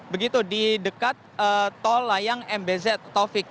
begitu di dekat tol layang mbz atau vik